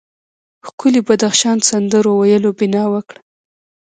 ښکلي بدخشان سندرو ویلو بنا وکړه.